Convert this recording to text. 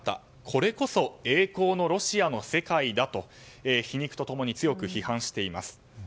これこそ栄光のロシアの世界だと皮肉と共に強く批判しています。